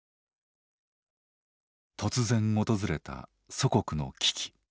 突然訪れた祖国の危機。